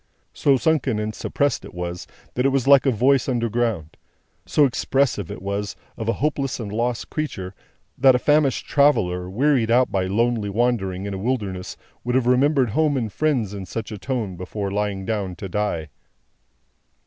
So sunken and suppressed it was, that it was like a voice underground. So expressive it was, of a hopeless and lost creature, that a famished traveller, wearied out by lonely wandering in a wilderness, would have remembered home and friends in such a tone before lying down to die.